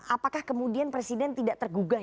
apakah kemudian presiden tidak tergugah